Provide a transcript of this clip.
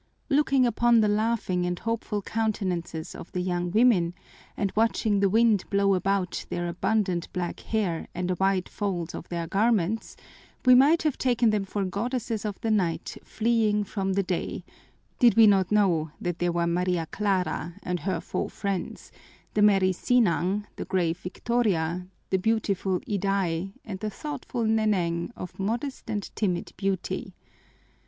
Looking upon the laughing and hopeful countenances of the young women and watching the wind blow about their abundant black hair and the wide folds of their garments, we might have taken them for goddesses of the night fleeing from the day, did we not know that they were Maria Clara and her four friends, the merry Sinang, the grave Victoria, the beautiful Iday, and the thoughtful Neneng of modest and timid beauty.